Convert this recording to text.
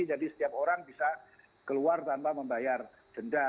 jadi setiap orang bisa keluar tanpa membayar denda